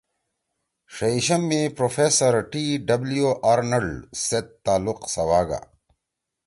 شئیشم می پروفیسر ٹی ڈبلیو آرنلڈ سیت تعلُق سواگا